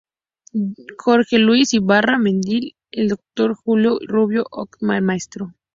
Jorge Luis Ibarra Mendívil, el Dr. Julio Rubio Oca, el Mtro.